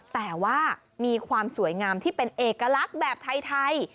แต่ว่ามีความสวยงามที่เป็นเอกลักษณ์แบบไทย